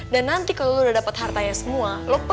dan nanti kalau lo udah dapat hartanya lo akan cinta sama bokap lo